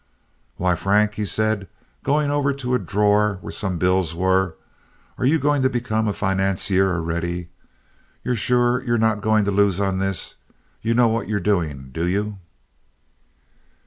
"Why, Frank," he said, going over to a drawer where some bills were, "are you going to become a financier already? You're sure you're not going to lose on this? You know what you're doing, do you?"